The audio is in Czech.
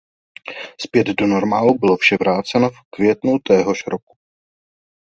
Zpět do normálu bylo vše vráceno v květnu téhož roku.